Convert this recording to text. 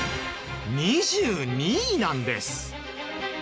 ２２位なんです。